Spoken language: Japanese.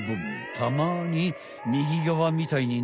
たまにみぎがわみたいになるのよ。